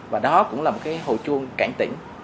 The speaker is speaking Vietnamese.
và đó cũng là một cái hồi chuông cảnh tỉnh